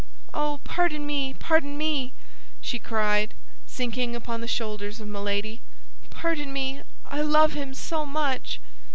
"Oh, pardon me, pardon me!" cried she, sinking upon the shoulders of Milady. "Pardon me, I love him so much!"